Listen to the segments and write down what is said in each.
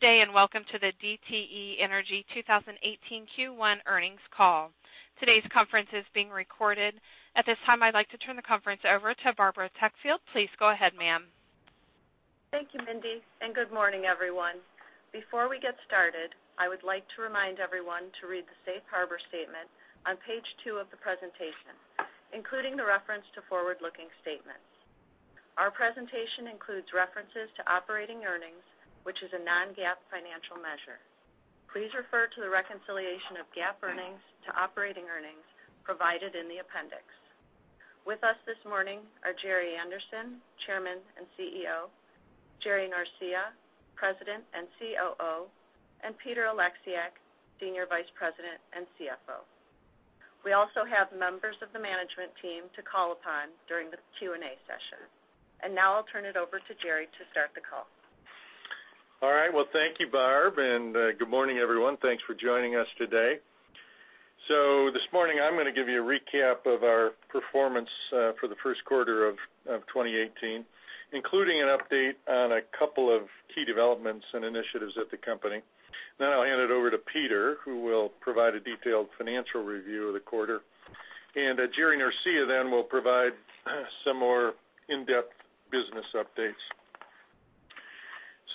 Good day, welcome to the DTE Energy 2018 Q1 earnings call. Today's conference is being recorded. At this time, I'd like to turn the conference over to Barbara Tuckfield. Please go ahead, ma'am. Thank you, Mindy, good morning, everyone. Before we get started, I would like to remind everyone to read the safe harbor statement on page two of the presentation, including the reference to forward-looking statements. Our presentation includes references to operating earnings, which is a non-GAAP financial measure. Please refer to the reconciliation of GAAP earnings to operating earnings provided in the appendix. With us this morning are Gerry Anderson, Chairman and CEO, Jerry Norcia, President and COO, and Peter Oleksiak, Senior Vice President and CFO. We also have members of the management team to call upon during the Q&A session. Now I'll turn it over to Gerry to start the call. All right. Well, thank you, Barb, good morning, everyone. Thanks for joining us today. This morning, I'm going to give you a recap of our performance for the first quarter of 2018, including an update on a couple of key developments and initiatives at the company. I'll hand it over to Peter, who will provide a detailed financial review of the quarter. Jerry Norcia then will provide some more in-depth business updates.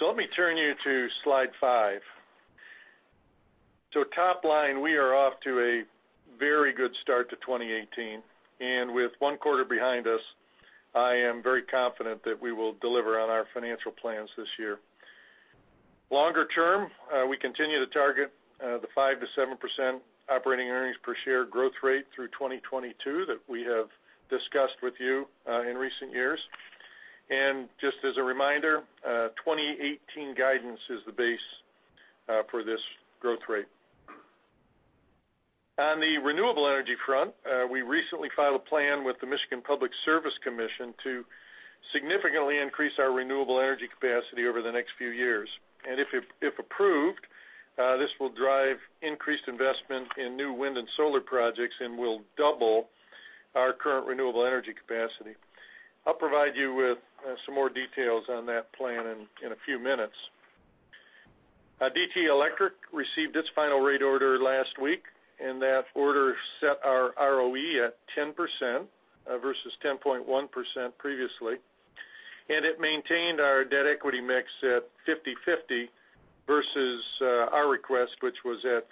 Let me turn you to slide five. Top line, we are off to a very good start to 2018. With one quarter behind us, I am very confident that we will deliver on our financial plans this year. Longer term, we continue to target the 5% to 7% operating earnings per share growth rate through 2022 that we have discussed with you in recent years. Just as a reminder, 2018 guidance is the base for this growth rate. On the renewable energy front, we recently filed a plan with the Michigan Public Service Commission to significantly increase our renewable energy capacity over the next few years. If approved, this will drive increased investment in new wind and solar projects and will double our current renewable energy capacity. I'll provide you with some more details on that plan in a few minutes. DTE Electric received its final rate order last week, and that order set our ROE at 10% versus 10.1% previously, and it maintained our debt equity mix at 50/50 versus our request, which was at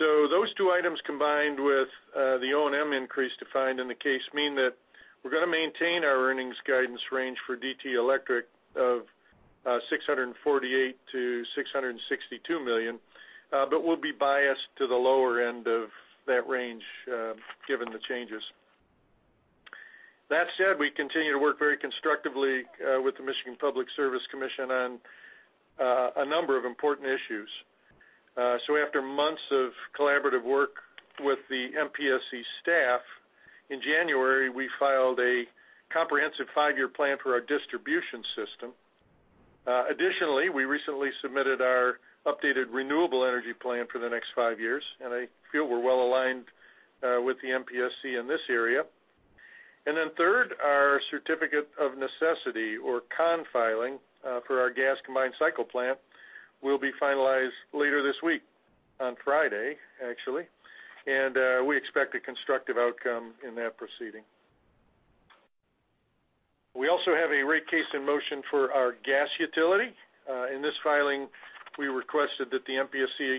49/51. Those two items, combined with the O&M increase defined in the case, mean that we're going to maintain our earnings guidance range for DTE Electric of $648 million to $662 million, but we'll be biased to the lower end of that range given the changes. That said, we continue to work very constructively with the Michigan Public Service Commission on a number of important issues. After months of collaborative work with the MPSC staff, in January, we filed a comprehensive five-year plan for our distribution system. Additionally, we recently submitted our updated renewable energy plan for the next five years, and I feel we're well-aligned with the MPSC in this area. Then third, our Certificate of Necessity, or CON filing, for our gas combined cycle plant will be finalized later this week, on Friday, actually, and we expect a constructive outcome in that proceeding. We also have a rate case in motion for our gas utility. In this filing, we requested that the MPSC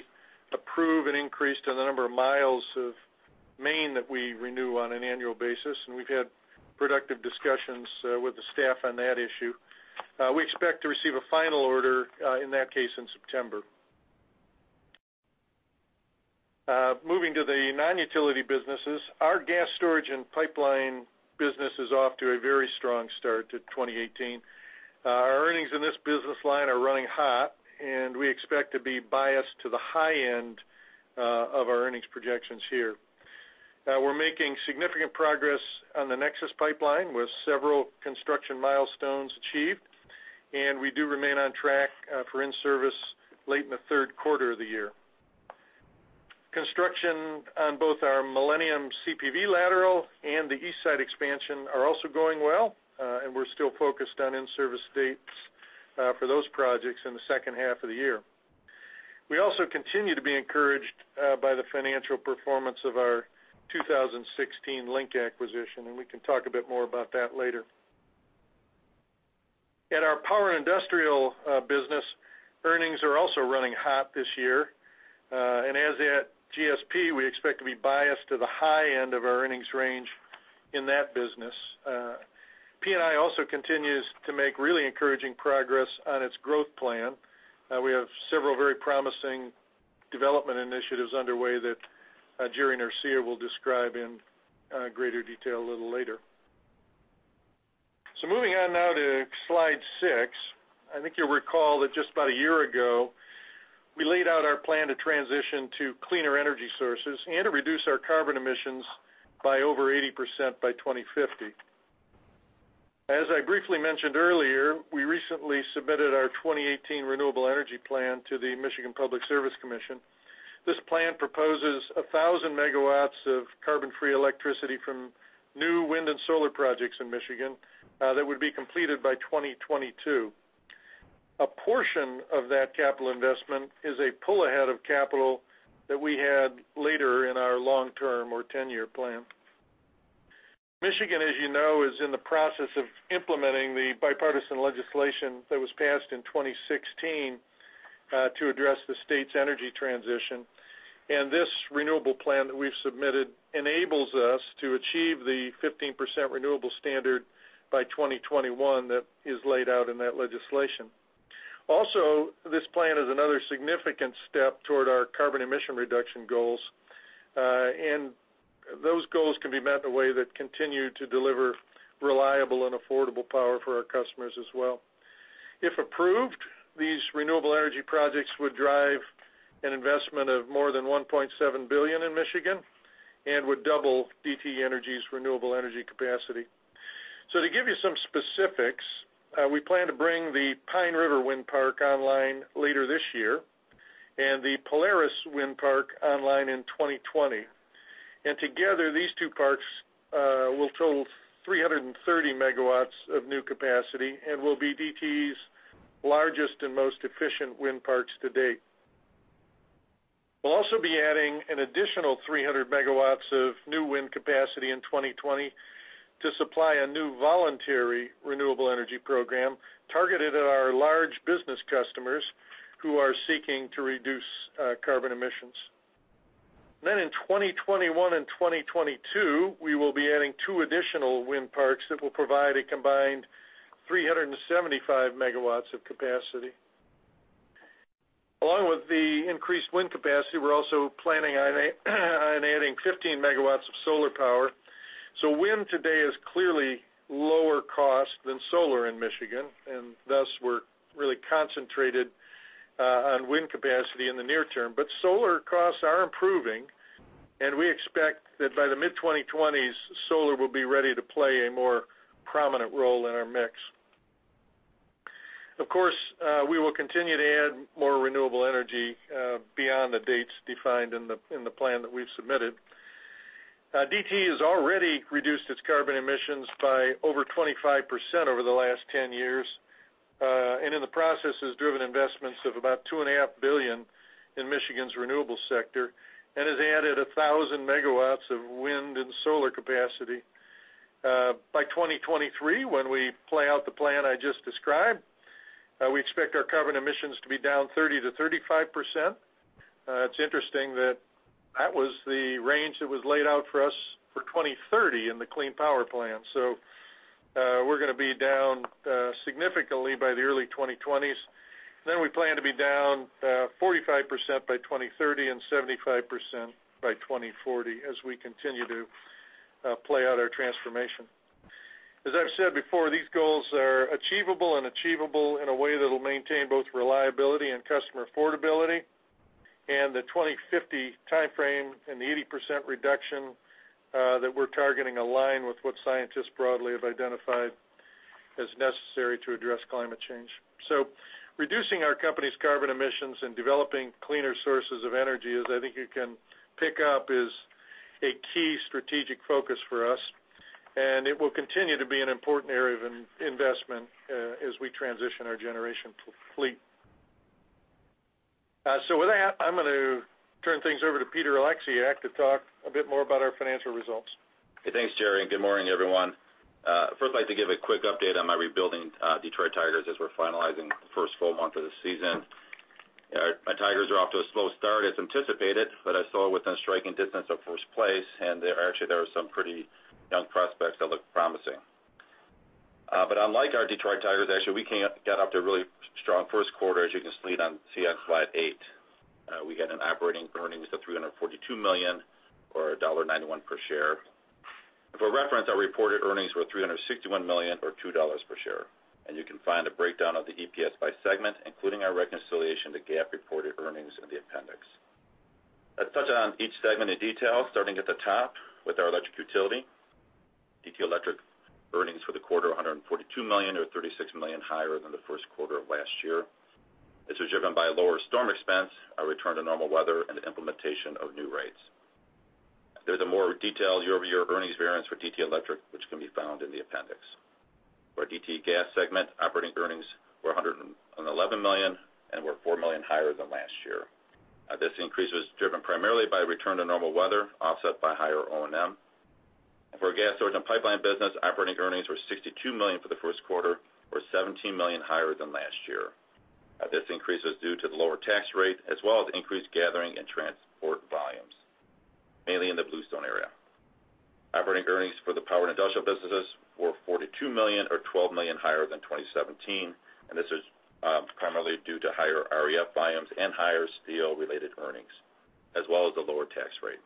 approve an increase to the number of miles of main that we renew on an annual basis, and we've had productive discussions with the staff on that issue. We expect to receive a final order in that case in September. Moving to the non-utility businesses, our gas storage and pipeline business is off to a very strong start to 2018. Our earnings in this business line are running hot, and we expect to be biased to the high end of our earnings projections here. We're making significant progress on the NEXUS pipeline, with several construction milestones achieved, and we do remain on track for in-service late in the third quarter of the year. Construction on both our Millennium CPV lateral and the East Side Expansion Project are also going well, and we're still focused on in-service dates for those projects in the second half of the year. We also continue to be encouraged by the financial performance of our 2016 Link acquisition, and we can talk a bit more about that later. In our power and industrial business, earnings are also running hot this year. As at GSP, we expect to be biased to the high end of our earnings range in that business. P&I also continues to make really encouraging progress on its growth plan. We have several very promising development initiatives underway that Jerry Norcia will describe in greater detail a little later. Moving on now to slide six. I think you'll recall that just about a year ago, we laid out our plan to transition to cleaner energy sources and to reduce our carbon emissions by over 80% by 2050. As I briefly mentioned earlier, we recently submitted our 2018 renewable energy plan to the Michigan Public Service Commission. This plan proposes 1,000 megawatts of carbon-free electricity from new wind and solar projects in Michigan that would be completed by 2022. A portion of that capital investment is a pull ahead of capital that we had later in our long-term or 10-year plan. Michigan, as you know, is in the process of implementing the bipartisan legislation that was passed in 2016, to address the state's energy transition. This renewable plan that we've submitted enables us to achieve the 15% renewable standard by 2021 that is laid out in that legislation. This plan is another significant step toward our carbon emission reduction goals. Those goals can be met in a way that continue to deliver reliable and affordable power for our customers as well. If approved, these renewable energy projects would drive an investment of more than $1.7 billion in Michigan and would double DTE Energy's renewable energy capacity. To give you some specifics, we plan to bring the Pine River Wind Park online later this year, and the Polaris Wind Park online in 2020. Together, these two parks will total 330 MW of new capacity and will be DTE's largest and most efficient wind parks to date. We'll also be adding an additional 300 MW of new wind capacity in 2020 to supply a new voluntary renewable energy program targeted at our large business customers who are seeking to reduce carbon emissions. In 2021 and 2022, we will be adding two additional wind parks that will provide a combined 375 MW of capacity. Along with the increased wind capacity, we're also planning on adding 15 MW of solar power. Wind today is clearly lower cost than solar in Michigan, and thus we're really concentrated on wind capacity in the near term. Solar costs are improving, and we expect that by the mid-2020s, solar will be ready to play a more prominent role in our mix. Of course, we will continue to add more renewable energy, beyond the dates defined in the plan that we've submitted. DTE has already reduced its carbon emissions by over 25% over the last 10 years. In the process has driven investments of about $ two and a half billion in Michigan's renewable sector and has added 1,000 MW of wind and solar capacity. By 2023, when we play out the plan I just described, we expect our carbon emissions to be down 30%-35%. It's interesting that that was the range that was laid out for us for 2030 in the Clean Power Plan. We're going to be down significantly by the early 2020s. We plan to be down 45% by 2030 and 75% by 2040 as we continue to play out our transformation. As I've said before, these goals are achievable and achievable in a way that'll maintain both reliability and customer affordability. The 2050 timeframe and the 80% reduction that we're targeting align with what scientists broadly have identified as necessary to address climate change. Reducing our company's carbon emissions and developing cleaner sources of energy, as I think you can pick up, is a key strategic focus for us, and it will continue to be an important area of investment as we transition our generation fleet. With that, I'm going to turn things over to Peter Oleksiak to talk a bit more about our financial results. Hey, thanks, Gerry, and good morning, everyone. First, I'd like to give a quick update on my rebuilding Detroit Tigers as we are finalizing the first full month of the season. My Tigers are off to a slow start as anticipated, but are still within striking distance of first place. Actually, there are some pretty young prospects that look promising. Unlike our Detroit Tigers, actually, we got off to a really strong first quarter, as you can see on slide eight. We got operating earnings of $342 million or $1.91 per share. For reference, our reported earnings were $361 million or $2 per share. You can find a breakdown of the EPS by segment, including our reconciliation to GAAP reported earnings in the appendix. Let's touch on each segment in detail, starting at the top with our electric utility. DTE Electric earnings for the quarter, $142 million or $36 million higher than the first quarter of last year. This was driven by lower storm expense, a return to normal weather, and the implementation of new rates. There is a more detailed year-over-year earnings variance for DTE Electric, which can be found in the appendix. For our DTE Gas segment, operating earnings were $111 million and were $4 million higher than last year. This increase was driven primarily by a return to normal weather offset by higher O&M. For our gas storage and pipeline business, operating earnings were $62 million for the first quarter or $17 million higher than last year. This increase was due to the lower tax rate as well as increased gathering and transport volumes, mainly in the Bluestone area. Operating earnings for the power and industrial businesses were $42 million or $12 million higher than 2017. This is primarily due to higher REF volumes and higher steel-related earnings, as well as the lower tax rate.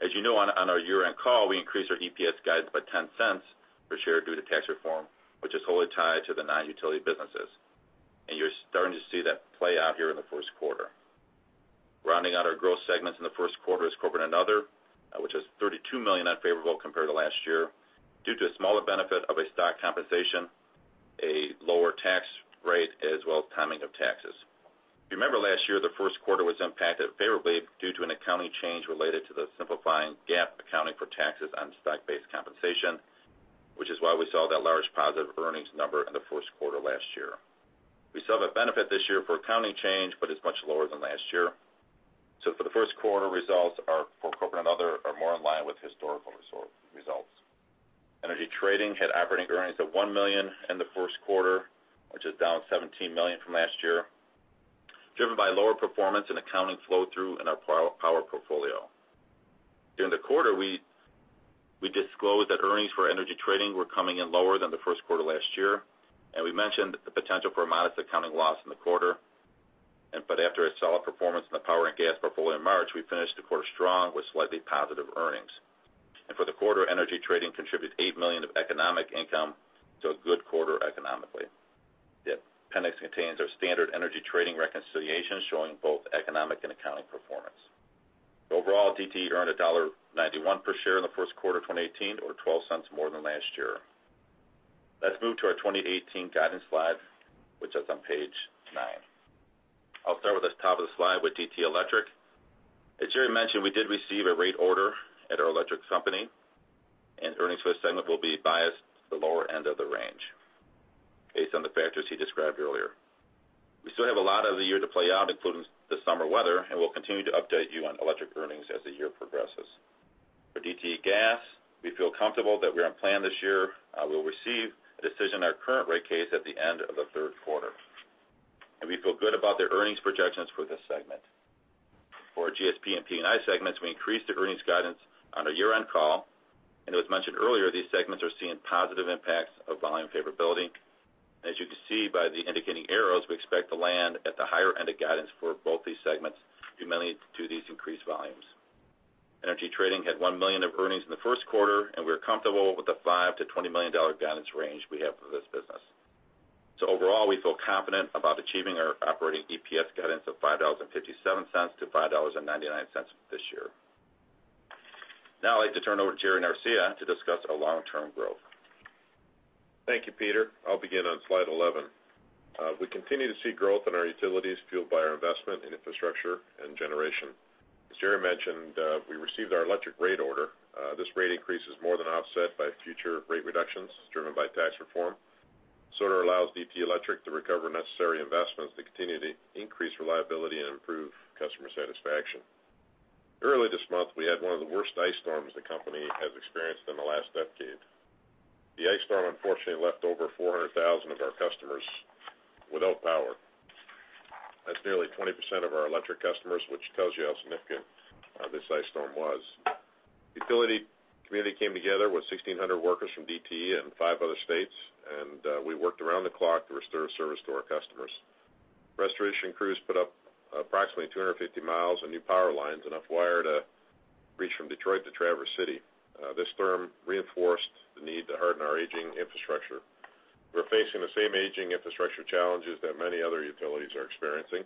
As you know, on our year-end call, we increased our EPS guide by $0.10 per share due to tax reform, which is wholly tied to the non-utility businesses. You are starting to see that play out here in the first quarter. Rounding out our growth segments in the first quarter is corporate and other, which was $32 million unfavorable compared to last year due to a smaller benefit of a stock compensation, lower tax rate as well as timing of taxes. Remember last year, the first quarter was impacted favorably due to an accounting change related to the simplifying GAAP accounting for taxes on stock-based compensation, which is why we saw that large positive earnings number in the first quarter last year. We still have a benefit this year for accounting change, but it is much lower than last year. For the first quarter results, our core corporate and other are more in line with historical results. Energy trading had operating earnings of $1 million in the first quarter, which is down $17 million from last year, driven by lower performance and accounting flow-through in our power portfolio. During the quarter, we disclosed that earnings for energy trading were coming in lower than the first quarter last year, and we mentioned the potential for a modest accounting loss in the quarter. After a solid performance in the power and gas portfolio in March, we finished the quarter strong with slightly positive earnings. For the quarter, energy trading contributed $8 million of economic income, so a good quarter economically. The appendix contains our standard energy trading reconciliation, showing both economic and accounting performance. Overall, DTE earned $1.91 per share in the first quarter of 2018, or $0.12 more than last year. Let's move to our 2018 guidance slide, which is on page nine. I'll start with this top of the slide with DTE Electric. As Gerry mentioned, we did receive a rate order at our electric company, and earnings for this segment will be biased at the lower end of the range, based on the factors he described earlier. We still have a lot of the year to play out, including the summer weather, and we'll continue to update you on electric earnings as the year progresses. For DTE Gas, we feel comfortable that we're on plan this year. We'll receive a decision on our current rate case at the end of the third quarter, and we feel good about the earnings projections for this segment. For GSP and P&I segments, we increased the earnings guidance on our year-end call, and as mentioned earlier, these segments are seeing positive impacts of volume favorability. As you can see by the indicating arrows, we expect to land at the higher end of guidance for both these segments, primarily due to these increased volumes. Energy trading had $1 million of earnings in the first quarter, and we are comfortable with the $5 million-$20 million guidance range we have for this business. Overall, we feel confident about achieving our operating EPS guidance of $5.57-$5.99 this year. Now I'd like to turn over to Jerry Norcia to discuss our long-term growth. Thank you, Peter. I'll begin on slide 11. We continue to see growth in our utilities fueled by our investment in infrastructure and generation. As Jerry mentioned, we received our electric rate order. This rate increase is more than offset by future rate reductions driven by tax reform. This order allows DTE Electric to recover necessary investments to continue to increase reliability and improve customer satisfaction. Early this month, we had one of the worst ice storms the company has experienced in the last decade. The ice storm unfortunately left over 400,000 of our customers without power. That's nearly 20% of our electric customers, which tells you how significant this ice storm was. The utility community came together with 1,600 workers from DTE and five other states, and we worked around the clock to restore service to our customers. Restoration crews put up approximately 250 miles of new power lines, enough wire to reach from Detroit to Traverse City. This storm reinforced the need to harden our aging infrastructure. We're facing the same aging infrastructure challenges that many other utilities are experiencing.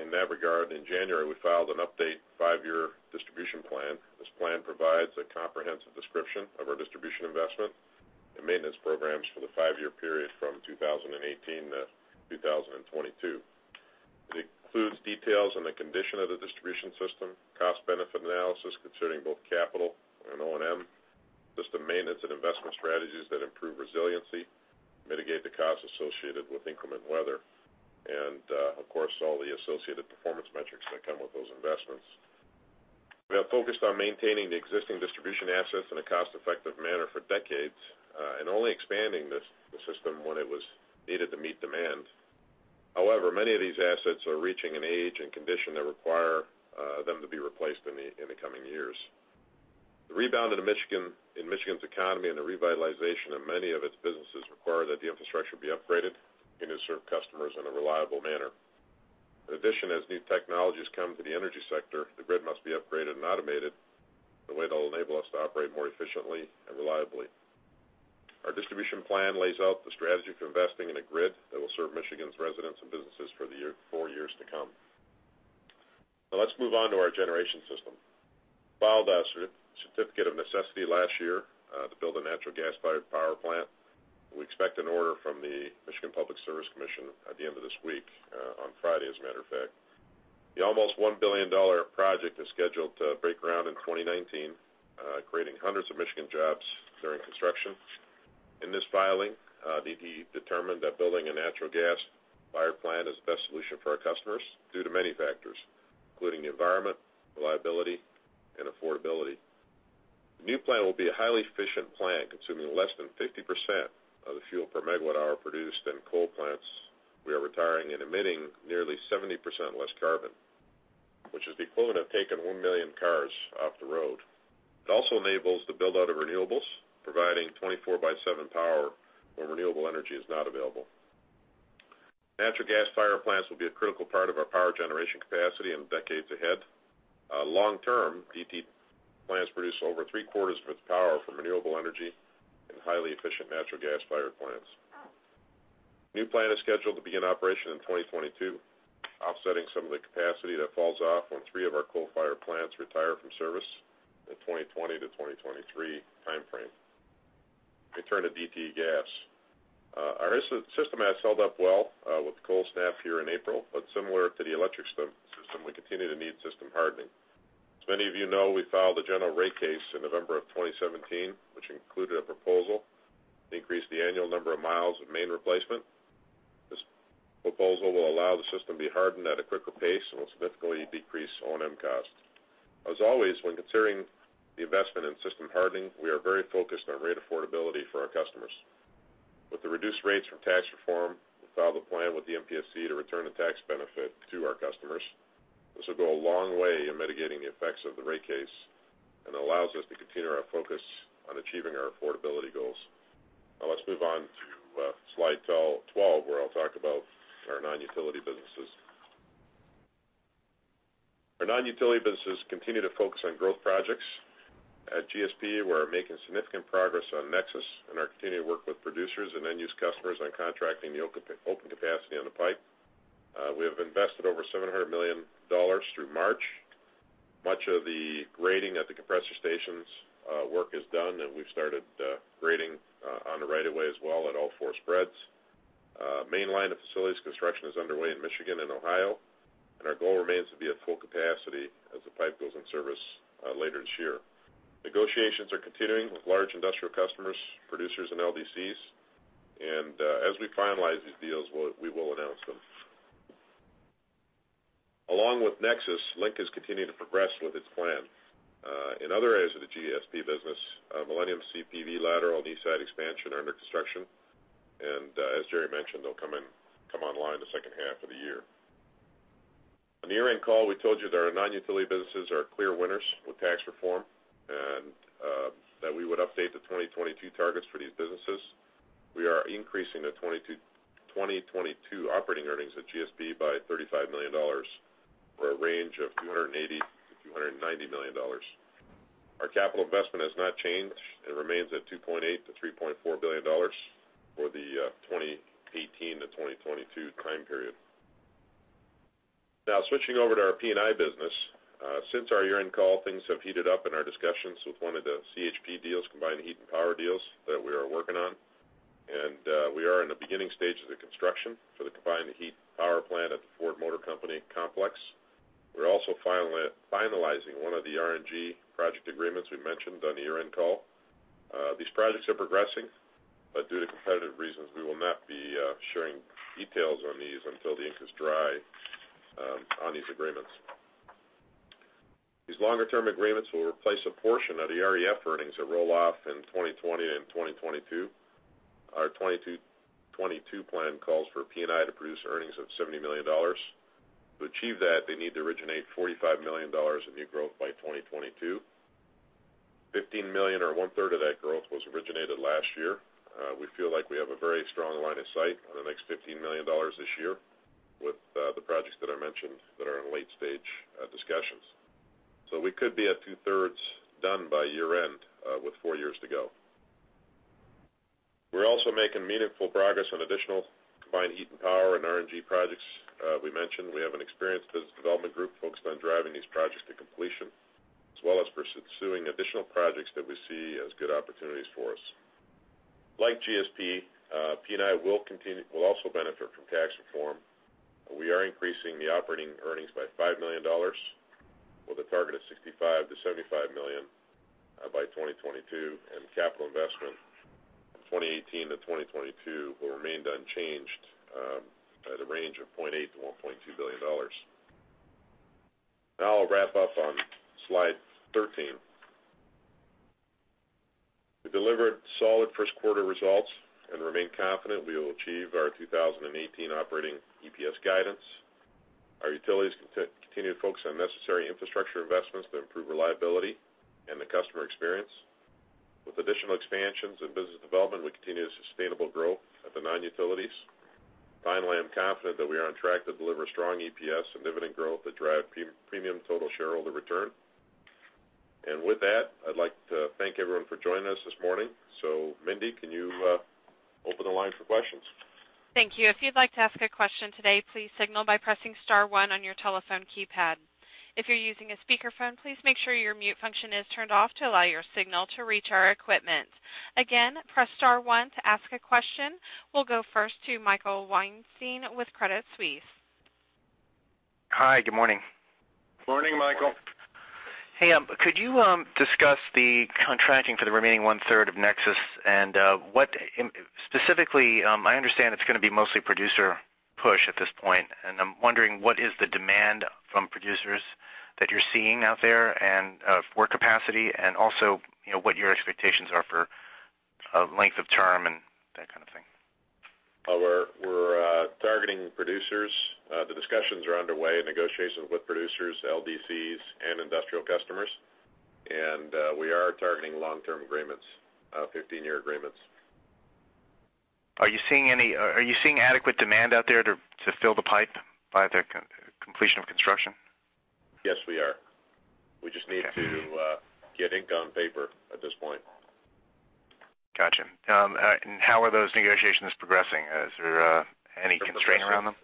In that regard, in January, we filed an updated five-year distribution plan. This plan provides a comprehensive description of our distribution investment and maintenance programs for the five-year period from 2018 to 2022. It includes details on the condition of the distribution system, cost-benefit analysis considering both capital and O&M, system maintenance and investment strategies that improve resiliency, mitigate the costs associated with inclement weather, and of course, all the associated performance metrics that come with those investments. We have focused on maintaining the existing distribution assets in a cost-effective manner for decades and only expanding the system when it was needed to meet demand. Many of these assets are reaching an age and condition that require them to be replaced in the coming years. The rebound in Michigan's economy and the revitalization of many of its businesses require that the infrastructure be upgraded and to serve customers in a reliable manner. In addition, as new technologies come to the energy sector, the grid must be upgraded and automated in a way that will enable us to operate more efficiently and reliably. Our distribution plan lays out the strategy for investing in a grid that will serve Michigan's residents and businesses for years to come. Let's move on to our generation system. We filed our certificate of necessity last year to build a natural gas-fired power plant. We expect an order from the Michigan Public Service Commission at the end of this week, on Friday, as a matter of fact. The almost $1 billion project is scheduled to break ground in 2019, creating hundreds of Michigan jobs during construction. In this filing, DTE determined that building a natural gas-fired plant is the best solution for our customers due to many factors, including the environment, reliability, and affordability. The new plant will be a highly efficient plant, consuming less than 50% of the fuel per megawatt hour produced in coal plants we are retiring and emitting nearly 70% less carbon, which is the equivalent of taking 1 million cars off the road. It also enables the build-out of renewables, providing 24 by seven power where renewable energy is not available. Natural gas-fired plants will be a critical part of our power generation capacity in the decades ahead. Long term, DTE plants produce over three-quarters of its power from renewable energy and highly efficient natural gas-fired plants. New plant is scheduled to begin operation in 2022, offsetting some of the capacity that falls off when three of our coal-fired plants retire from service in 2020 to 2023 timeframe. Let me turn to DTE Gas. Our system has held up well with the cold snap here in April, but similar to the electric system, we continue to need system hardening. As many of you know, we filed a general rate case in November of 2017, which included a proposal to increase the annual number of miles of main replacement. This proposal will allow the system to be hardened at a quicker pace and will significantly decrease O&M costs. As always, when considering the investment in system hardening, we are very focused on rate affordability for our customers. With the reduced rates from tax reform, we filed a plan with the MPSC to return the tax benefit to our customers. This will go a long way in mitigating the effects of the rate case and allows us to continue our focus on achieving our affordability goals. Now let's move on to slide 12, where I'll talk about our non-utility businesses. Our non-utility businesses continue to focus on growth projects. At GSP, we're making significant progress on Nexus and are continuing to work with producers and end-use customers on contracting the open capacity on the pipe. We have invested over $700 million through March. Much of the grading at the compressor stations work is done, and we've started grading on the right of way as well at all four spreads. Main line of facilities construction is underway in Michigan and Ohio, and our goal remains to be at full capacity as the pipe goes in service later this year. Negotiations are continuing with large industrial customers, producers, and LDCs, and as we finalize these deals, we will announce them. Along with Nexus, Link has continued to progress with its plan. In other areas of the GSP business, Millennium CPV Lateral and East Side Expansion are under construction, and as Jerry mentioned, they'll come online the second half of the year. On the year-end call, we told you that our non-utility businesses are clear winners with tax reform, and that we would update the 2022 targets for these businesses. We are increasing the 2022 operating earnings at GSP by $35 million, for a range of $280 million to $290 million. Our capital investment has not changed and remains at $2.8 billion to $3.4 billion for the 2018 to 2022 time period. Now, switching over to our P&I business. Since our year-end call, things have heated up in our discussions with one of the CHP deals, combined heat and power deals, that we are working on. We are in the beginning stages of construction for the combined heat power plant at the Ford Motor Company complex. We're also finalizing one of the RNG project agreements we mentioned on the year-end call. These projects are progressing, but due to competitive reasons, we will not be sharing details on these until the ink is dry on these agreements. These longer-term agreements will replace a portion of the REF earnings that roll off in 2020 and 2022. Our 2022 plan calls for P&I to produce earnings of $70 million. To achieve that, they need to originate $45 million of new growth by 2022. $15 million or one-third of that growth was originated last year. We feel like we have a very strong line of sight on the next $15 million this year with the projects that I mentioned that are in late-stage discussions. We could be at two-thirds done by year-end with four years to go. We're also making meaningful progress on additional combined heat and power and RNG projects we mentioned. We have an experienced business development group focused on driving these projects to completion, as well as pursuing additional projects that we see as good opportunities for us. Like GSP, P&I will also benefit from tax reform. We are increasing the operating earnings by $5 million, with a target of $65 million to $75 million by 2022. Capital investment in 2018 to 2022 will remain unchanged at a range of $0.8 billion-$1.2 billion. I'll wrap up on slide 13. We delivered solid first-quarter results and remain confident we will achieve our 2018 operating EPS guidance. Our utilities continue to focus on necessary infrastructure investments that improve reliability and the customer experience. With additional expansions in business development, we continue sustainable growth at the non-utilities. I'm confident that we are on track to deliver strong EPS and dividend growth that drive premium total shareholder return. With that, I'd like to thank everyone for joining us this morning. Mindy, can you open the line for questions? Thank you. If you'd like to ask a question today, please signal by pressing *1 on your telephone keypad. If you're using a speakerphone, please make sure your mute function is turned off to allow your signal to reach our equipment. Again, press *1 to ask a question. We'll go first to Michael Weinstein with Credit Suisse. Hi, good morning. Morning, Michael. Hey, could you discuss the contracting for the remaining one-third of Nexus? Specifically, I understand it's going to be mostly producer push at this point, and I'm wondering what is the demand from producers that you're seeing out there, and for capacity, and also what your expectations are for length of term and that kind of thing? We're targeting producers. The discussions are underway, negotiations with producers, LDCs, and industrial customers. We are targeting long-term agreements, 15-year agreements. Are you seeing adequate demand out there to fill the pipe by the completion of construction? Yes, we are. We just need to get ink on paper at this point. Got you. How are those negotiations progressing? Is there any constraint around them?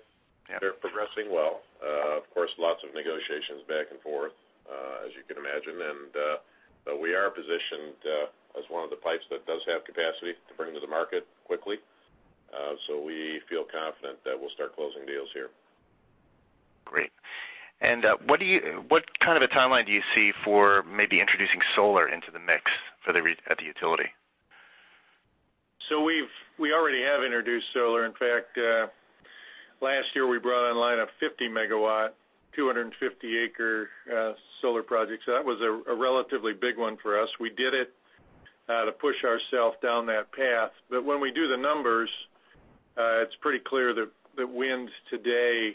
They're progressing well. Of course, lots of negotiations back and forth, as you can imagine, but we are positioned as one of the pipes that does have capacity to bring to the market quickly. We feel confident that we'll start closing deals here. Great. What kind of a timeline do you see for maybe introducing solar into the mix at the utility? We already have introduced solar. In fact, last year, we brought online a 50 MW, 250 acres solar project, so that was a relatively big one for us. We did it to push ourself down that path. When we do the numbers, it's pretty clear that wind today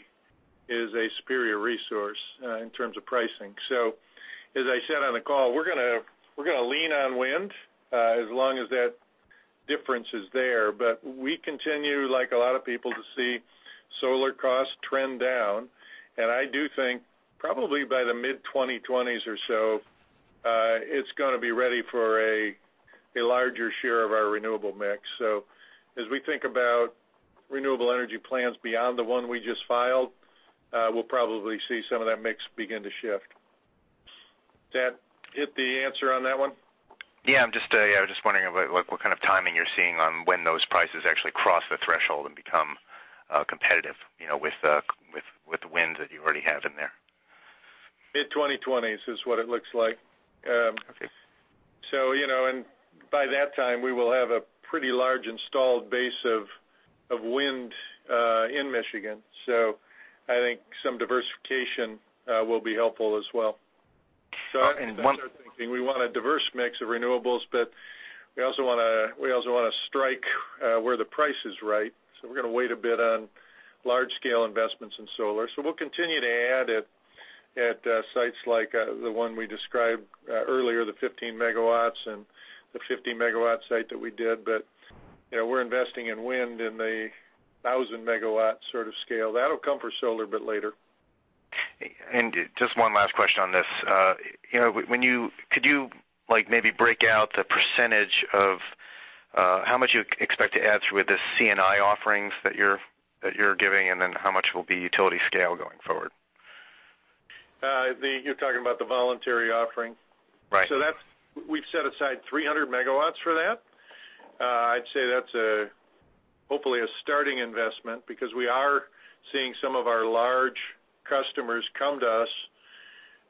is a superior resource in terms of pricing. As I said on the call, we're going to lean on wind, as long as that difference is there. We continue, like a lot of people, to see solar costs trend down, and I do think probably by the mid-2020s or so, it's going to be ready for a larger share of our renewable mix. As we think about renewable energy plans beyond the one we just filed, we'll probably see some of that mix begin to shift. Did that hit the answer on that one? Yeah, I was just wondering what kind of timing you're seeing on when those prices actually cross the threshold and become competitive with the wind that you already have in there. Mid-2020s is what it looks like. Okay. By that time, we will have a pretty large installed base of wind in Michigan, so I think some diversification will be helpful as well. And one- We want a diverse mix of renewables, but we also want to strike where the price is right. We're going to wait a bit on large-scale investments in solar. We'll continue to add at sites like the one we described earlier, the 15 MW and the 50-MW site that we did, but we're investing in wind in the 1,000 MW sort of scale. That'll come for solar a bit later. Just one last question on this. Could you maybe break out the percentage of how much you expect to add through with the C&I offerings that you're giving, and then how much will be utility scale going forward? You're talking about the voluntary offering? Right. We've set aside 300 MW for that. I'd say that's hopefully a starting investment because we are seeing some of our large customers come to us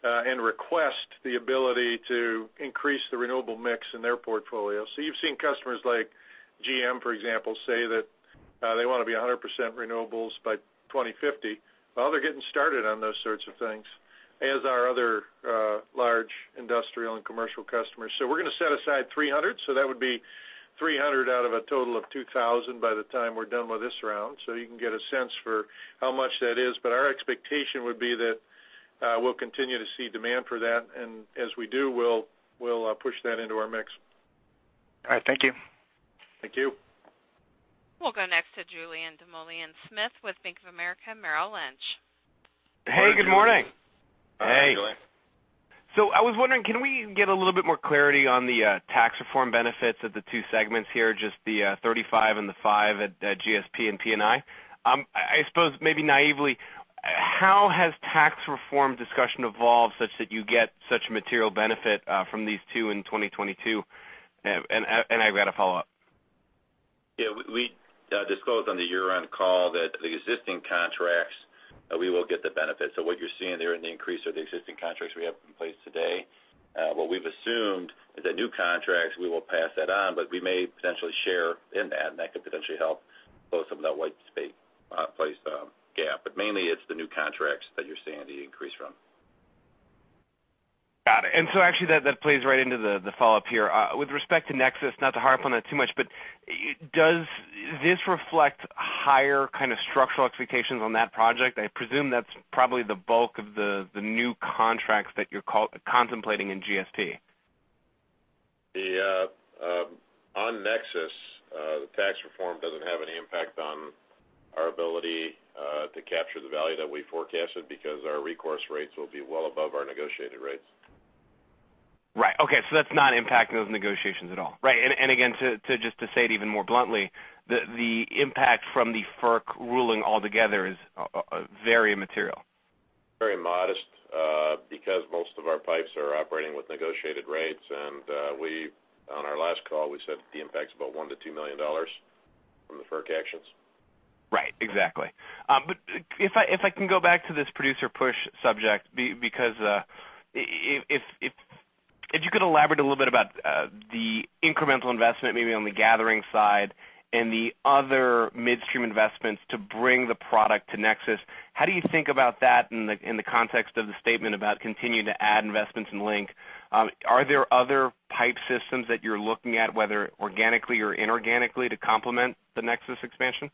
and request the ability to increase the renewable mix in their portfolio. You've seen customers like GM, for example, say that they want to be 100% renewables by 2050. Well, they're getting started on those sorts of things, as are other large industrial and commercial customers. We're going to set aside 300. That would be 300 out of a total of 2,000 by the time we're done with this round. You can get a sense for how much that is. Our expectation would be that we'll continue to see demand for that, and as we do, we'll push that into our mix. All right. Thank you. Thank you. We'll go next to Julien Dumoulin-Smith with Bank of America Merrill Lynch. Hey, good morning. Hey. Hi, Julien. I was wondering, can we get a little bit more clarity on the tax reform benefits of the two segments here, just the 35 and the 5 at GSP and P&I? I suppose maybe naively, how has tax reform discussion evolved such that you get such material benefit from these two in 2022? I've got a follow-up. We disclosed on the year-end call that the existing contracts, we will get the benefit. What you're seeing there in the increase are the existing contracts we have in place today. What we've assumed is that new contracts, we will pass that on, but we may potentially share in that, and that could potentially help both of the white space gap. Mainly it's the new contracts that you're seeing the increase from. Got it. Actually that plays right into the follow-up here. With respect to NEXUS, not to harp on that too much, but does this reflect higher kind of structural expectations on that project? I presume that's probably the bulk of the new contracts that you're contemplating in GSP. On NEXUS, the tax reform doesn't have any impact on our ability to capture the value that we forecasted because our recourse rates will be well above our negotiated rates. Right. Okay, that's not impacting those negotiations at all. Right. Again, just to say it even more bluntly, the impact from the FERC ruling altogether is very immaterial. Very modest, because most of our pipes are operating with negotiated rates, on our last call, we said the impact's about $1 million-$2 million from the FERC actions. Right. Exactly. If I can go back to this producer push subject, if you could elaborate a little bit about the incremental investment, maybe on the gathering side and the other midstream investments to bring the product to NEXUS. How do you think about that in the context of the statement about continuing to add investments in Link? Are there other pipe systems that you're looking at, whether organically or inorganically, to complement the NEXUS expansion?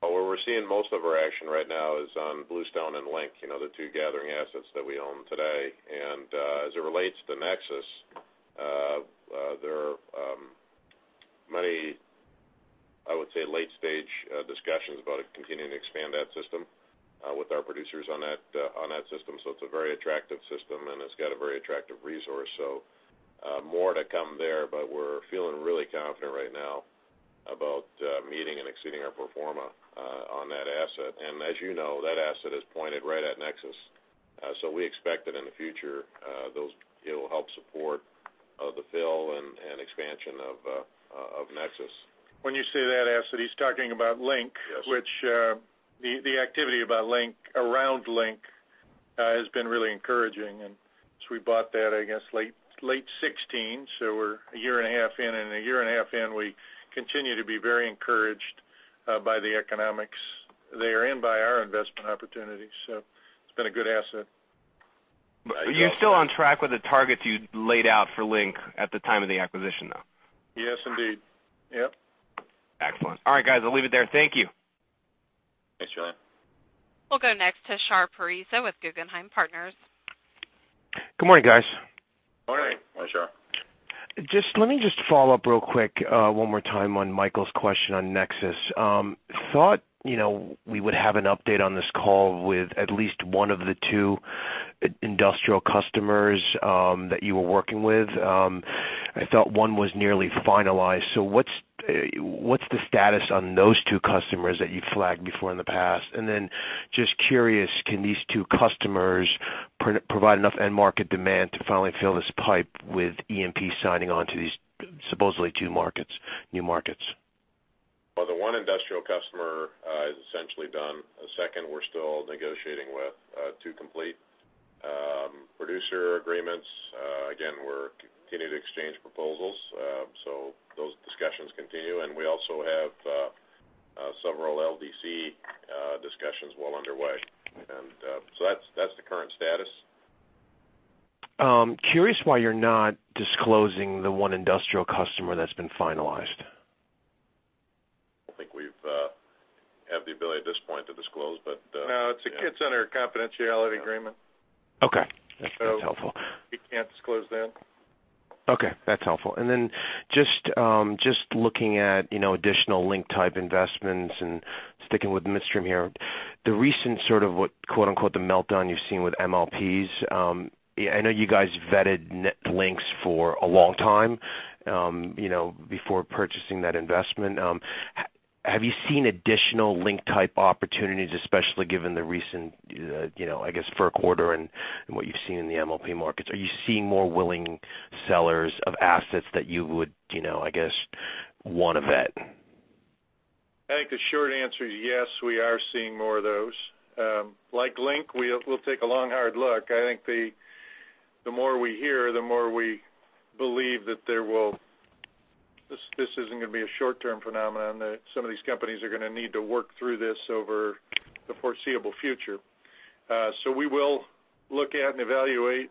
Where we're seeing most of our action right now is on Bluestone and Link, the two gathering assets that we own today. As it relates to NEXUS I would say late-stage discussions about continuing to expand that system with our producers on that system. It's a very attractive system, and it's got a very attractive resource. More to come there, but we're feeling really confident right now about meeting and exceeding our pro forma on that asset. As you know, that asset is pointed right at NEXUS. We expect that in the future, it'll help support the fill and expansion of NEXUS. When you say that asset, he's talking about Link. Yes. Which the activity around Link has been really encouraging. We bought that, I guess, late 2016, so we're a year and a half in. A year and a half in, we continue to be very encouraged by the economics therein by our investment opportunities. It's been a good asset. Are you still on track with the targets you laid out for Link at the time of the acquisition, though? Yes, indeed. Yep. Excellent. All right, guys, I'll leave it there. Thank you. Thanks, Jullien. We'll go next to Shar Pourreza with Guggenheim Partners. Good morning, guys. Morning. Morning. Let me just follow up real quick one more time on Michael's question on Nexus. Thought we would have an update on this call with at least one of the two industrial customers that you were working with. I thought one was nearly finalized. What's the status on those two customers that you flagged before in the past? Then just curious, can these two customers provide enough end-market demand to finally fill this pipe with E&P signing on to these supposedly two markets, new markets? Well, the one industrial customer is essentially done. The second we're still negotiating with to complete. Producer agreements, again, we're continuing to exchange proposals. Those discussions continue, and we also have several LDC discussions well underway. That's the current status. I'm curious why you're not disclosing the one industrial customer that's been finalized. I don't think we have the ability at this point to disclose. No, it gets under a confidentiality agreement. Okay. That's helpful. We can't disclose that. Okay, that's helpful. Just looking at additional Link-type investments and sticking with midstream here. The recent sort of what quote-unquote "the meltdown" you've seen with MLPs. I know you guys vetted Links for a long time before purchasing that investment. Have you seen additional Link-type opportunities, especially given the recent, I guess, for a quarter and what you've seen in the MLP markets? Are you seeing more willing sellers of assets that you would, I guess, want to vet? I think the short answer is yes, we are seeing more of those. Like Link, we'll take a long, hard look. I think the more we hear, the more we believe that this isn't going to be a short-term phenomenon, that some of these companies are going to need to work through this over the foreseeable future. We will look at and evaluate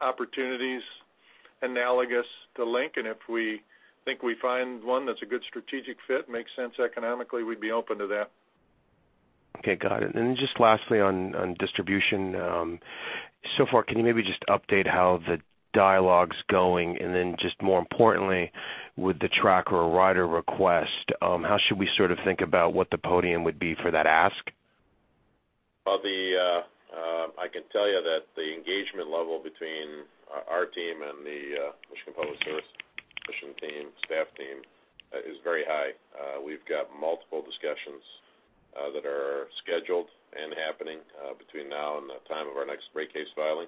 opportunities analogous to Link, and if we think we find one that's a good strategic fit, makes sense economically, we'd be open to that. Okay. Got it. Just lastly on distribution. So far, can you maybe just update how the dialogue's going? Just more importantly, with the tracker or rider request, how should we sort of think about what the podium would be for that ask? I can tell you that the engagement level between our team and the Michigan Public Service Commission team, staff team is very high. We've got multiple discussions that are scheduled and happening between now and the time of our next rate case filing.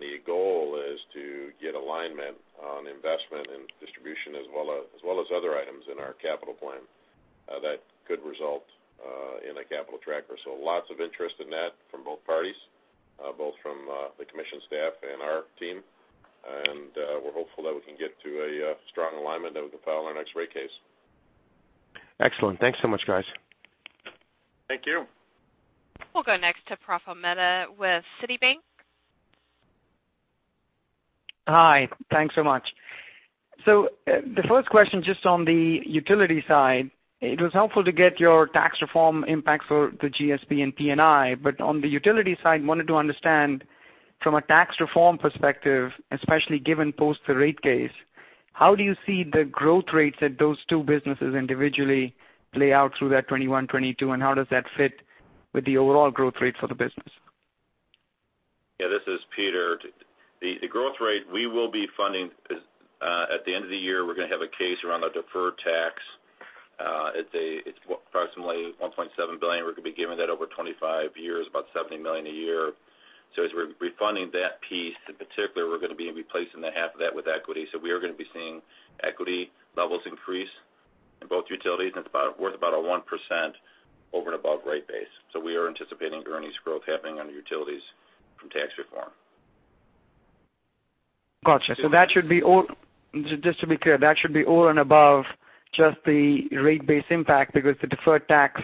The goal is to get alignment on investment and distribution, as well as other items in our capital plan that could result in a capital tracker. Lots of interest in that from both parties, both from the commission staff and our team. We're hopeful that we can get to a strong alignment that we can file in our next rate case. Excellent. Thanks much, guys. Thank you. We'll go next to Praful Mehta with Citigroup. Hi. Thanks much. The first question, just on the utility side. It was helpful to get your tax reform impact for the GSP and P&I. On the utility side, wanted to understand from a tax reform perspective, especially given post the rate case, how do you see the growth rates that those two businesses individually lay out through that 2021, 2022, and how does that fit with the overall growth rates for the business? Yeah, this is Peter. The growth rate we will be funding at the end of the year, we're going to have a case around a deferred tax. It's approximately $1.7 billion. We're going to be giving that over 25 years, about $70 million a year. As we're refunding that piece in particular, we're going to be replacing the half of that with equity. We are going to be seeing equity levels increase in both utilities, and it's worth about a 1% over and above rate base. We are anticipating earnings growth happening on utilities from tax reform. Got you. Just to be clear, that should be over and above just the rate base impact because the deferred tax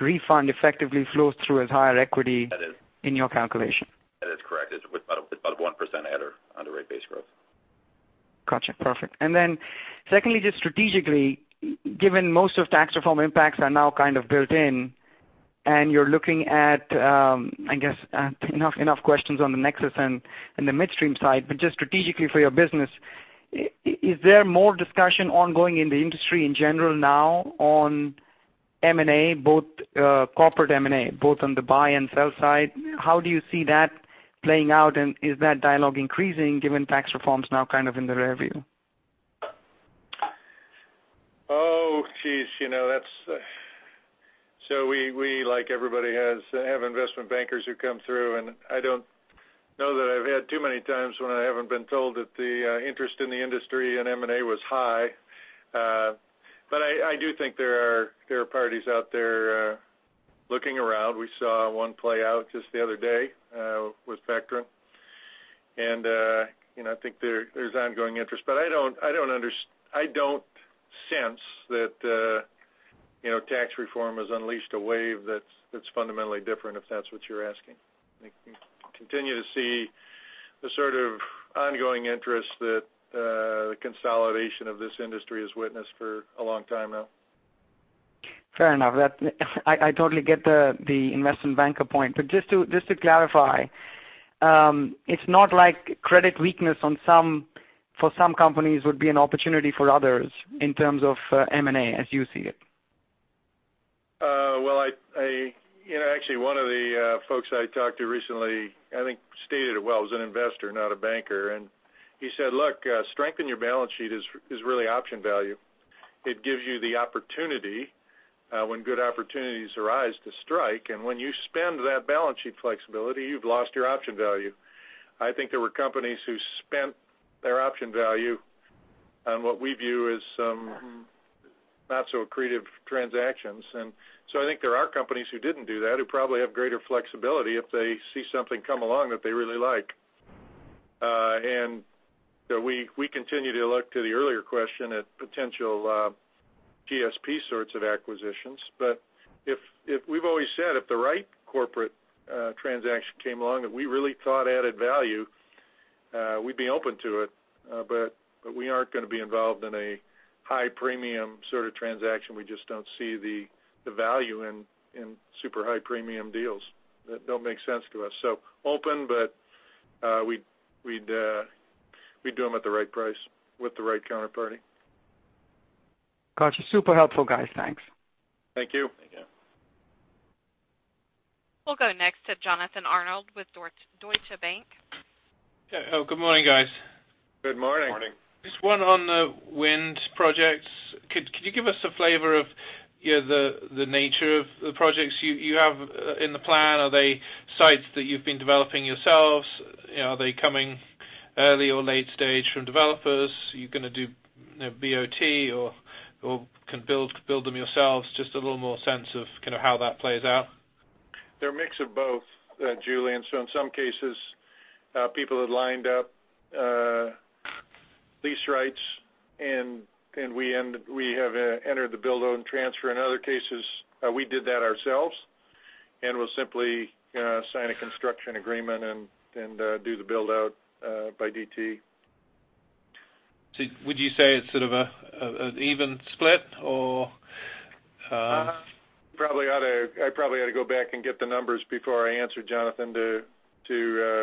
refund effectively flows through as higher equity- That is- in your calculation. That is correct. It's about a 1% adder on the rate base growth. Got you. Perfect. Secondly, just strategically, given most of tax reform impacts are now kind of built in You're looking at, I guess, enough questions on the NEXUS and the midstream side, but just strategically for your business, is there more discussion ongoing in the industry in general now on M&A, corporate M&A, both on the buy and sell side? How do you see that playing out, and is that dialogue increasing given tax reform's now kind of in the rear view? We, like everybody, have investment bankers who come through, and I don't know that I've had too many times when I haven't been told that the interest in the industry in M&A was high. I do think there are parties out there looking around. We saw one play out just the other day with Vectren. I think there's ongoing interest. I don't sense that tax reform has unleashed a wave that's fundamentally different, if that's what you're asking. I think we continue to see the sort of ongoing interest that the consolidation of this industry has witnessed for a long time now. Fair enough. I totally get the investment banker point. Just to clarify, it's not like credit weakness for some companies would be an opportunity for others in terms of M&A as you see it? Well, actually, one of the folks I talked to recently, I think, stated it well. It was an investor, not a banker. He said, "Look, strength in your balance sheet is really option value. It gives you the opportunity, when good opportunities arise, to strike. When you spend that balance sheet flexibility, you've lost your option value." I think there were companies who spent their option value on what we view as some not so accretive transactions. So I think there are companies who didn't do that, who probably have greater flexibility if they see something come along that they really like. We continue to look to the earlier question at potential GSP sorts of acquisitions. We've always said, if the right corporate transaction came along that we really thought added value, we'd be open to it. We aren't going to be involved in a high premium sort of transaction. We just don't see the value in super high premium deals. That don't make sense to us. Open, but we'd do them at the right price with the right counterparty. Got you. Super helpful, guys. Thanks. Thank you. Thank you. We'll go next to Jonathan Arnold with Deutsche Bank. Yeah. Hello, good morning, guys. Good morning. Good morning. Just one on the wind projects. Could you give us a flavor of the nature of the projects you have in the plan? Are they sites that you've been developing yourselves? Are they coming early or late stage from developers? Are you going to do BOT or build them yourselves? Just a little more sense of kind of how that plays out. They're a mix of both, Julien. In some cases, people have lined up lease rights, and we have entered the build, own, transfer. In other cases, we did that ourselves, and we'll simply sign a construction agreement and do the build-out by DTE. Would you say it's sort of an even split or? I probably ought to go back and get the numbers before I answer, Jonathan, to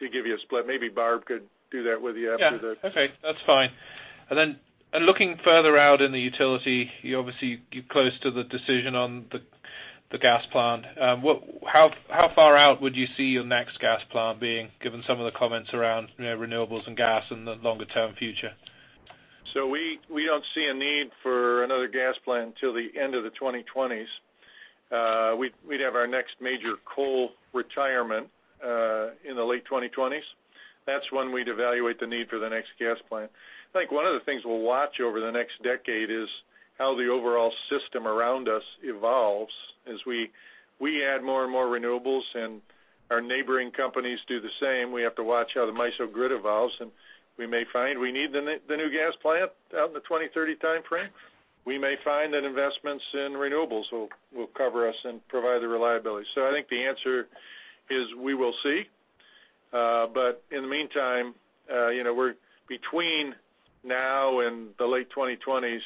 give you a split. Maybe Barb could do that with you after. Yeah. Okay, that's fine. Looking further out in the utility, you obviously, you're close to the decision on the gas plant. How far out would you see your next gas plant being, given some of the comments around renewables and gas in the longer-term future? We don't see a need for another gas plant until the end of the 2020s. We'd have our next major coal retirement in the late 2020s. That's when we'd evaluate the need for the next gas plant. I think one of the things we'll watch over the next decade is how the overall system around us evolves. As we add more and more renewables and our neighboring companies do the same, we have to watch how the MISO grid evolves, and we may find we need the new gas plant out in the 2030 timeframe. We may find that investments in renewables will cover us and provide the reliability. I think the answer is we will see. In the meantime, between now and the late 2020s,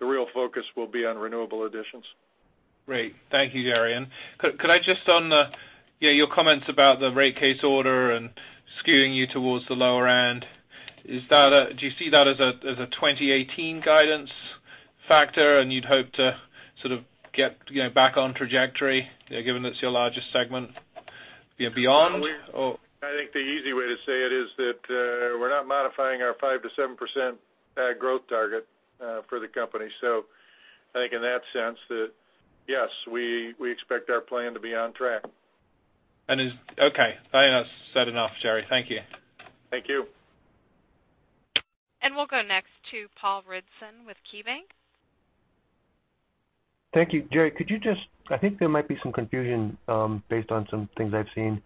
the real focus will be on renewable additions. Great. Thank you, Gerry. Could I just on your comments about the rate case order and skewing you towards the lower end. Do you see that as a 2018 guidance factor and you'd hope to sort of get back on trajectory given that's your largest segment beyond? I think the easy way to say it is that we're not modifying our 5% to 7% tag growth target for the company. I think in that sense that, yes, we expect our plan to be on track. Okay. Said enough, Gerry. Thank you. Thank you. We'll go next to Paul Ridzon with KeyBank. Thank you. Gerry, could you I think there might be some confusion based on some things I've seen.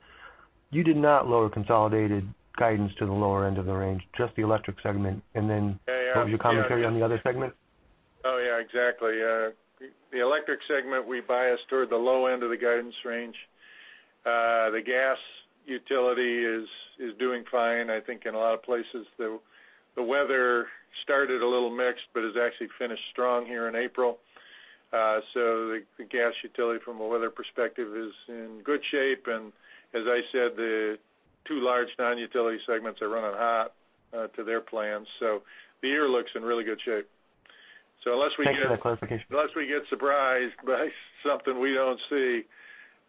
You did not lower consolidated guidance to the lower end of the range, just the electric segment. Yeah. Would you comment, Gerry, on the other segment? Yeah, exactly. The electric segment, we biased toward the low end of the guidance range. The gas utility is doing fine. I think in a lot of places, the weather started a little mixed but has actually finished strong here in April. The gas utility from a weather perspective is in good shape. As I said, the two large non-utility segments are running hot to their plans. The year looks in really good shape. Thanks for the clarification. Unless we get surprised by something we don't see,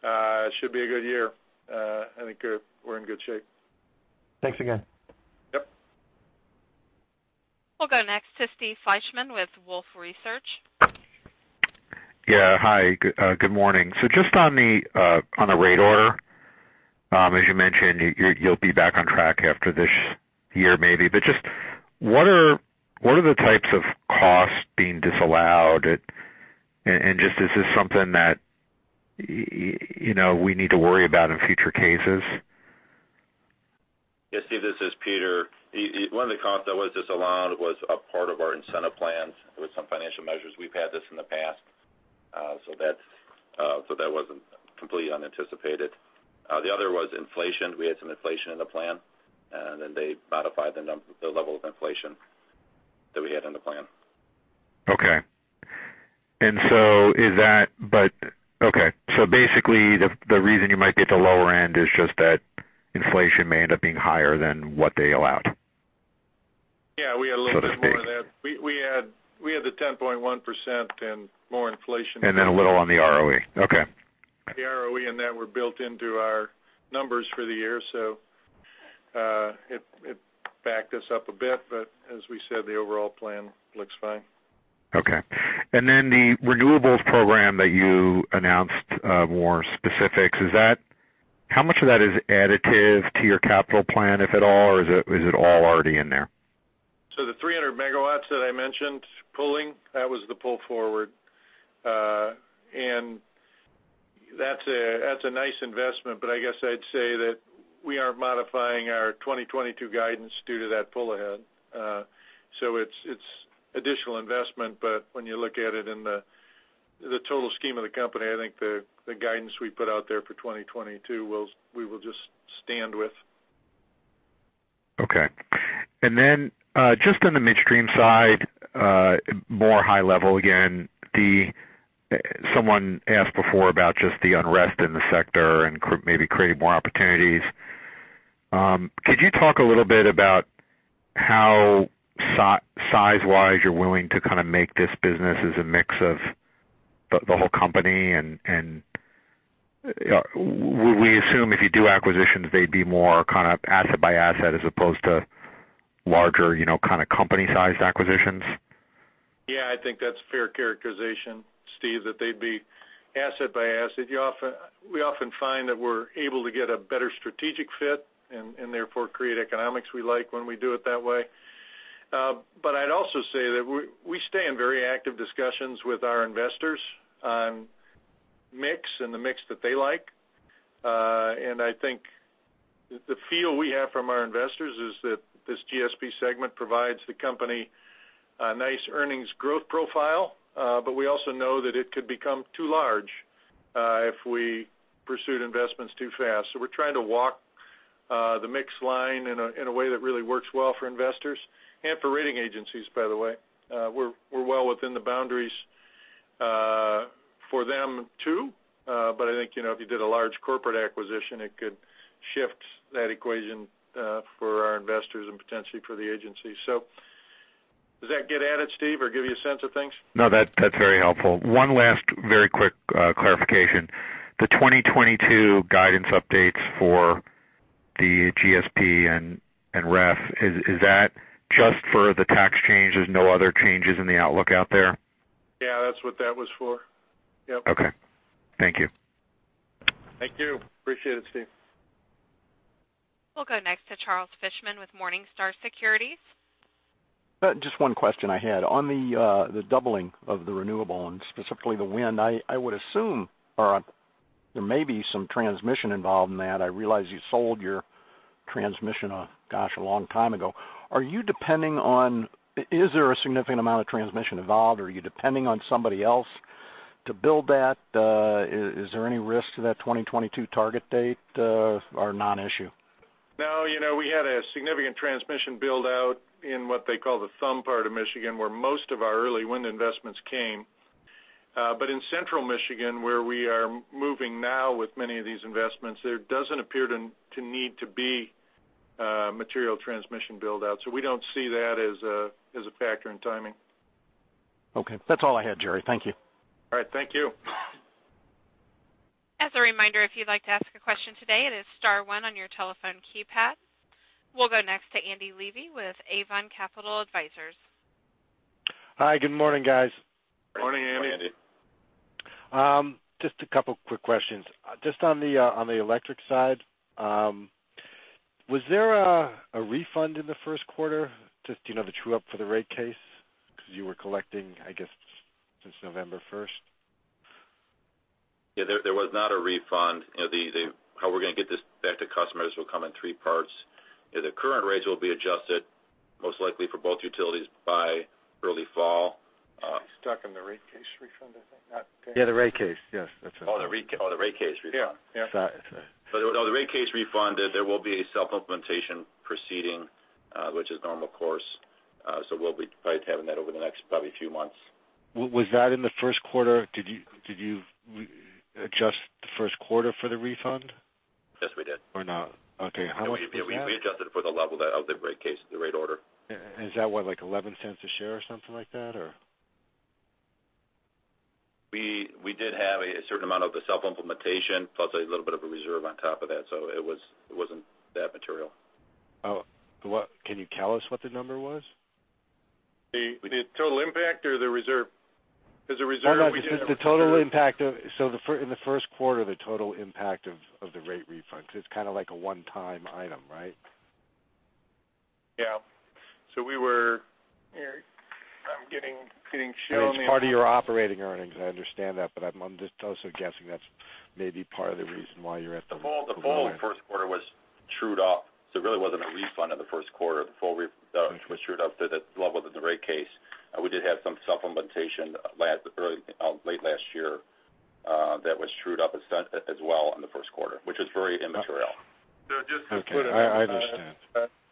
it should be a good year. I think we're in good shape. Thanks again. Yep. We'll go next to Steve Fleishman with Wolfe Research. Hi, good morning. Just on the rate order, as you mentioned, you'll be back on track after this year, maybe. Just what are the types of costs being disallowed, and just is this something that we need to worry about in future cases? Yes, Steve, this is Peter. One of the costs that was disallowed was a part of our incentive plans with some financial measures. We've had this in the past, that wasn't completely unanticipated. The other was inflation. We had some inflation in the plan, they modified the level of inflation that we had in the plan. Basically, the reason you might be at the lower end is just that inflation may end up being higher than what they allowed. We had a little bit more of that. We had the 10.1% and more inflation- A little on the ROE. Okay. The ROE and that were built into our numbers for the year, so it backed us up a bit. As we said, the overall plan looks fine. Okay. The renewables program that you announced more specifics, how much of that is additive to your capital plan, if at all, or is it all already in there? The 300 megawatts that I mentioned pulling, that was the pull forward. That's a nice investment, but I guess I'd say that we aren't modifying our 2022 guidance due to that pull ahead. It's additional investment, but when you look at it in the total scheme of the company, I think the guidance we put out there for 2022 we will just stand with. Okay. Just on the midstream side, more high level again. Someone asked before about just the unrest in the sector and maybe creating more opportunities. Could you talk a little bit about how size-wise you're willing to kind of make this business as a mix of the whole company? We assume if you do acquisitions, they'd be more kind of asset by asset as opposed to larger kind of company-sized acquisitions. Yeah, I think that's a fair characterization, Steve, that they'd be asset by asset. We often find that we're able to get a better strategic fit and therefore create economics we like when we do it that way. I'd also say that we stay in very active discussions with our investors on mix and the mix that they like. I think the feel we have from our investors is that this GSP segment provides the company a nice earnings growth profile. We also know that it could become too large if we pursued investments too fast. We're trying to walk the mix line in a way that really works well for investors and for rating agencies, by the way. We're well within the boundaries for them, too. I think if you did a large corporate acquisition, it could shift that equation for our investors and potentially for the agency. Does that get at it, Steve, or give you a sense of things? No, that's very helpful. One last very quick clarification. The 2022 guidance updates for the GSP and REF, is that just for the tax change? There's no other changes in the outlook out there? Yeah. That's what that was for. Yep. Okay. Thank you. Thank you. Appreciate it, Steve. We'll go next to Charles Fishman with Morningstar. Just one question I had. On the doubling of the renewable, and specifically the wind, I would assume there may be some transmission involved in that. I realize you sold your transmission, gosh, a long time ago. Is there a significant amount of transmission involved or are you depending on somebody else to build that? Is there any risk to that 2022 target date or a non-issue? No. We had a significant transmission build-out in what they call the thumb part of Michigan, where most of our early wind investments came. In Central Michigan, where we are moving now with many of these investments, there doesn't appear to need to be material transmission build-out. We don't see that as a factor in timing. Okay. That's all I had, Gerry. Thank you. All right. Thank you. As a reminder, if you'd like to ask a question today, it is star one on your telephone keypad. We'll go next to Andy Levy with Avon Capital Advisors. Hi. Good morning, guys. Morning, Andy. Morning, Andy. Just a couple of quick questions. Just on the electric side, was there a refund in the first quarter? Just the true-up for the rate case, because you were collecting, I guess, since November 1st. Yeah, there was not a refund. How we're going to get this back to customers will come in three parts. The current rates will be adjusted most likely for both utilities by early fall. Stuck in the rate case refund, I think. Yeah, the rate case. Yes, that's right. The rate case refund. Yeah. The rate case refund, there will be a self-implementation proceeding, which is normal course. We'll be probably having that over the next probably few months. Was that in the first quarter? Did you adjust the first quarter for the refund? Yes, we did. No? Okay. How was that? We adjusted for the level of the rate case, the rate order. Is that what, like $0.11 a share or something like that? We did have a certain amount of the self-implementation plus a little bit of a reserve on top of that. It wasn't that material. Oh. Can you tell us what the number was? The total impact or the reserve? No, just the total impact. In the first quarter, the total impact of the rate refunds. It's kind of like a one-time item, right? Yeah. It's part of your operating earnings, I understand that, but I'm just also guessing that's maybe part of the reason why you're at. The full first quarter was trued up. There really wasn't a refund in the first quarter. The full refund was trued up to the level of the rate case. We did have some supplementation late last year that was trued up as well in the first quarter, which was very immaterial. Just to put a number on it. Okay. I understand.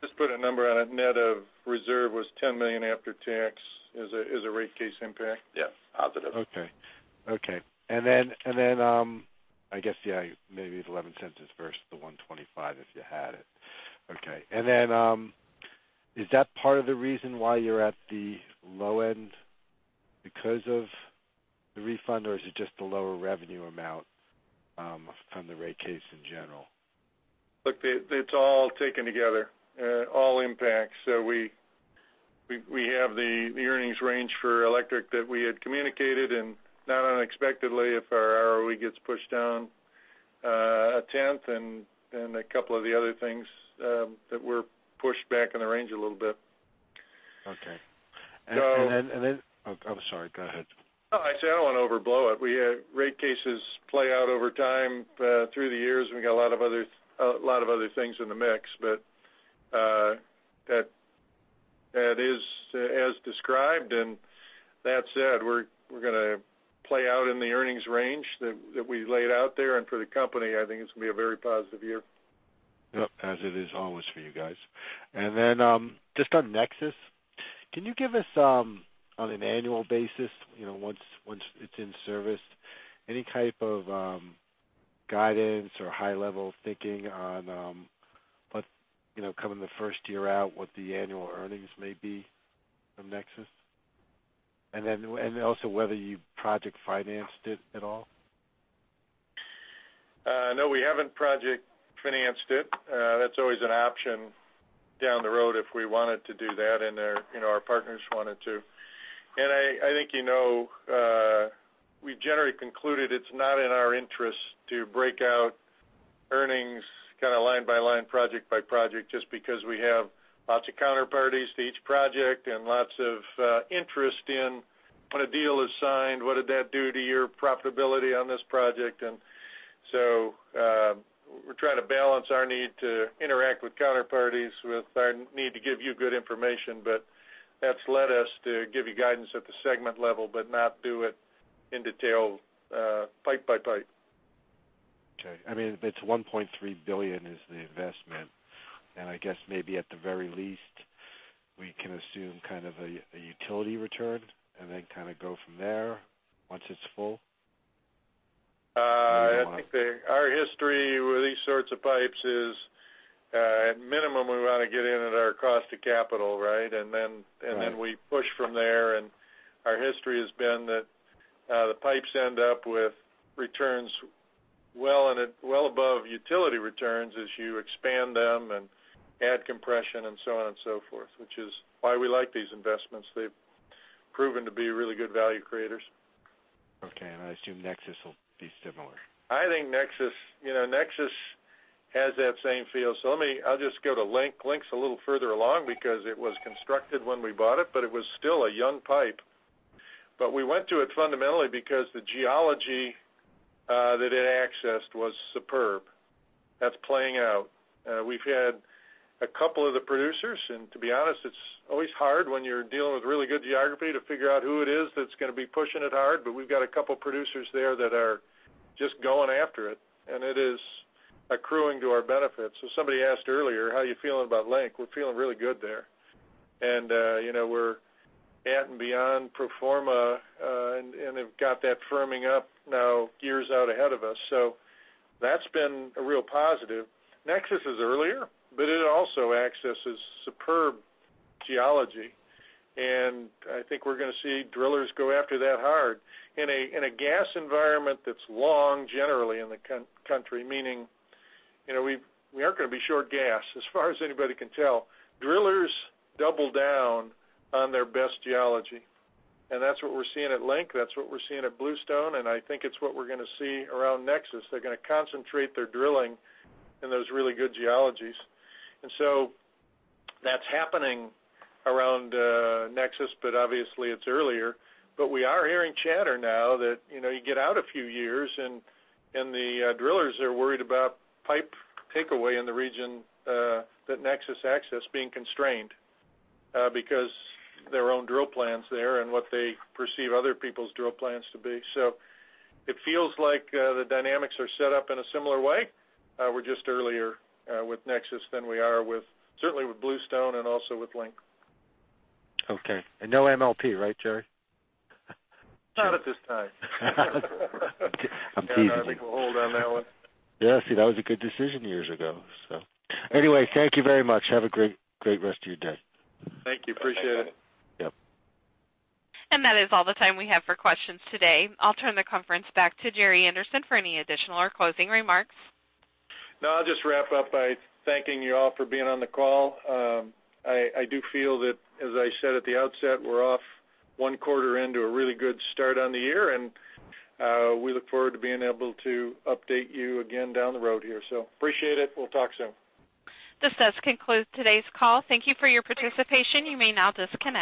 Just put a number on it. Net of reserve was $10 million after tax is a rate case impact. Yes. Positive. Okay. I guess, yeah, maybe the $0.11 is versus the $1.25 if you had it. Okay. Is that part of the reason why you're at the low end because of the refund, or is it just the lower revenue amount from the rate case in general? Look, it's all taken together, all impacts. We have the earnings range for DTE Electric that we had communicated, not unexpectedly, if our ROE gets pushed down a tenth and a couple of the other things that were pushed back in the range a little bit. Okay. So- Oh, I'm sorry. Go ahead. No. I say I don't want to overblow it. We had rate cases play out over time, through the years, and we got a lot of other things in the mix. That is as described, and that said, we're going to play out in the earnings range that we laid out there. For the company, I think it's going to be a very positive year. Yep. As it is always for you guys. Just on NEXUS, can you give us, on an annual basis, once it's in service, any type of guidance or high-level thinking on what coming the first year out, what the annual earnings may be from NEXUS? Also whether you project financed it at all? No, we haven't project financed it. That's always an option down the road if we wanted to do that and our partners wanted to. I think you know we generally concluded it's not in our interest to break out earnings kind of line by line, project by project, just because we have lots of counterparties to each project and lots of interest in when a deal is signed, what did that do to your profitability on this project? We try to balance our need to interact with counterparties with our need to give you good information. That's led us to give you guidance at the segment level, but not do it in detail pipe by pipe. Okay. It's $1.3 billion is the investment, and I guess maybe at the very least, we can assume kind of a utility return and then kind of go from there once it's full? I think our history with these sorts of pipes is at minimum, we want to get in at our cost to capital, right? Right. Then we push from there, and our history has been that the pipes end up with returns well above utility returns as you expand them and add compression and so on and so forth, which is why we like these investments. They've proven to be really good value creators. Okay, I assume NEXUS will be similar. I think NEXUS has that same feel. Let me I'll just go to Link. Link's a little further along because it was constructed when we bought it, but it was still a young pipe. We went to it fundamentally because the geology that it accessed was superb. That's playing out. We've had a couple of the producers, and to be honest, it's always hard when you're dealing with really good geography to figure out who it is that's going to be pushing it hard. We've got a couple producers there that are just going after it, and it is accruing to our benefit. Somebody asked earlier, how are you feeling about Link? We're feeling really good there. And we're at and beyond pro forma, and they've got that firming up now years out ahead of us. That's been a real positive. NEXUS is earlier, but it also accesses superb geology, and I think we're going to see drillers go after that hard. In a gas environment that's long generally in the country, meaning we aren't going to be short gas, as far as anybody can tell. Drillers double down on their best geology, and that's what we're seeing at Link, that's what we're seeing at Bluestone, and I think it's what we're going to see around NEXUS. They're going to concentrate their drilling in those really good geologies. That's happening around NEXUS, but obviously it's earlier. We are hearing chatter now that you get out a few years, and the drillers are worried about pipe takeaway in the region that NEXUS access being constrained because their own drill plan's there and what they perceive other people's drill plans to be. It feels like the dynamics are set up in a similar way. We're just earlier with NEXUS than we are with certainly with Bluestone and also with Link. Okay. No MLP, right, Jerry? Not at this time. I'm teasing. Yeah, I think we'll hold on that one. Yeah. See, that was a good decision years ago. Anyway, thank you very much. Have a great rest of your day. Thank you. Appreciate it. Yep. That is all the time we have for questions today. I'll turn the conference back to Jerry Anderson for any additional or closing remarks. I'll just wrap up by thanking you all for being on the call. I do feel that, as I said at the outset, we're off one quarter into a really good start on the year, and we look forward to being able to update you again down the road here. Appreciate it. We'll talk soon. This does conclude today's call. Thank you for your participation. You may now disconnect.